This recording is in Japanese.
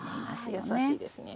はあ優しいですね。